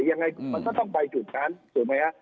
ยังไงมันก็ต้องไปจุดนั้นถูกไหมฮะ